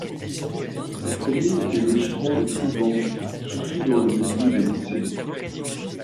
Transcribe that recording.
Le premier était logiquement le plus vendu, surtout dans le milieu des lycéens.